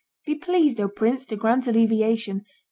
"Be pleased, O prince, to grant alleviation